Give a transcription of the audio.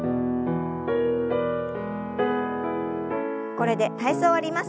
これで体操を終わります。